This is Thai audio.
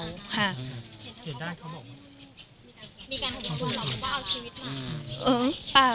เห็นได้เขาบอกว่ามีการข่วงคุณหรือเปล่า